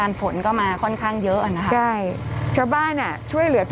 กรมป้องกันแล้วก็บรรเทาสาธารณภัยนะคะ